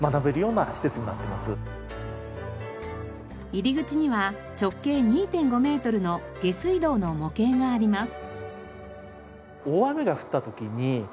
入り口には直径２．５メートルの下水道の模型があります。